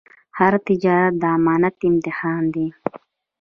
هر تجارت د امانت امتحان دی.